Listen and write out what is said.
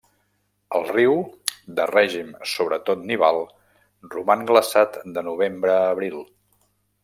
El riu, de règim sobretot nival, roman glaçat de novembre a abril.